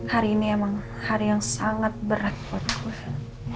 hari ini emang hari yang sangat berat buat gue